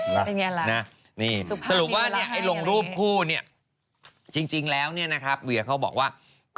เป็นยังไงล่ะสรุปภาพนี้ลงรูปคู่เนี่ยจริงแล้วเนี่ยนะครับเวียเขาบอกว่า